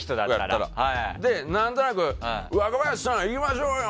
何となく若林さんいきましょうよ！